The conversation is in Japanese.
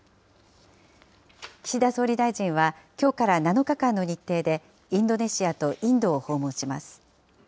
岸田総理大臣は、きょうから７日間の日程で、インドネシアとインドを訪問します。